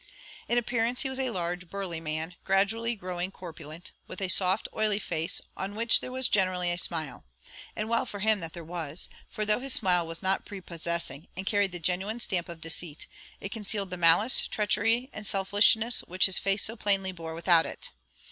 In appearance he was a large, burly man, gradually growing corpulent, with a soft oily face, on which there was generally a smile; and well for him that there was, for though his smile was not prepossessing, and carried the genuine stamp of deceit, it concealed the malice, treachery, and selfishness which his face so plainly bore without it.